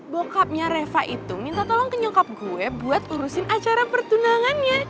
bokapnya reva itu minta tolong ke nyokap gue buat urusin acara pertunangannya